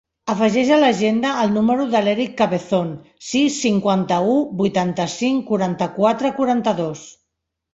Afegeix a l'agenda el número de l'Erick Cabezon: sis, cinquanta-u, vuitanta-cinc, quaranta-quatre, quaranta-dos.